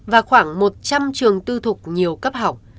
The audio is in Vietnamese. và khoảng một trăm linh trường tư thục nhiều cấp học